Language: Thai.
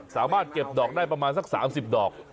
สามารถเก็บดอกได้ประมาณสัก๓๐ดอก